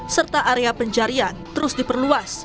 serta area pencarian terus diperluas